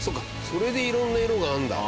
それで色んな色があるんだ。